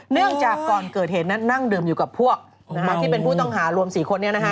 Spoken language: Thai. เนื่องจากก่อนเกิดเหตุนั้นนั่งดื่มอยู่กับพวกที่เป็นผู้ต้องหารวม๔คน